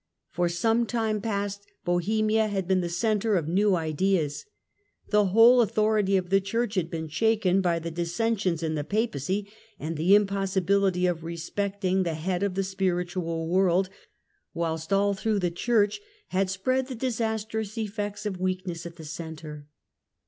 For some time past Bo The hemia had been the centre of new ideas. The whole movement authority of the Church had been shaken by the dis sensions in the Papacy and the impossibility of respect ing the Head of the spiritual world ; whilst all through the Church had spread the disastrous effects of weak ness at the centre.